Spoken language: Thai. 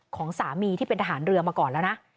ของสามีที่เป็นทหารเรือมาก่อนแล้วนะ